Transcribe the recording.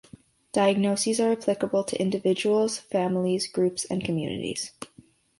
Diagnoses are applicable to individuals, families, groups and communities.